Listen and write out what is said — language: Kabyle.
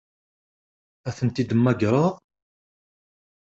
Ad tent-id-temmagreḍ?